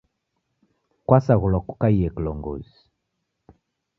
Kwasaghulwa kukaie kilongozi